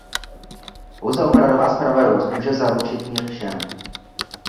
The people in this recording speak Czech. Pouze opravdová spravedlnost může zaručit mír všem.